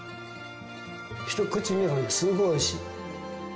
一口目がねすごいおいしい。